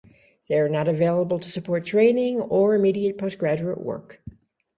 They are not available to support training or immediate postgraduate work.